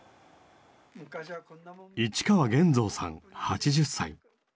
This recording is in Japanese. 市川源造さん８０歳。